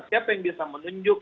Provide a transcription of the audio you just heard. siapa yang bisa menunjuk